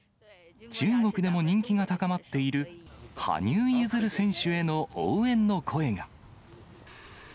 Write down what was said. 中国でも人気が高まっている羽生結弦選手への応援の声が。